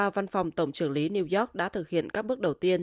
văn phòng tổng trưởng lý new york đã thực hiện các bước đầu tiên